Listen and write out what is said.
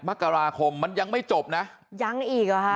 มกราคมมันยังไม่จบนะยังอีกหรอฮะ